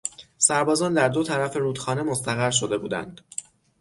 سربازان در دو طرف رودخانه مستقر شده بودند.